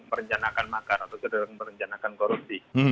merencanakan makar atau saudara merencanakan korupsi